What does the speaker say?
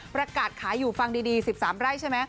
ประกาศขายอยู่ฟังดี๑๓ไร่ใช่ไหม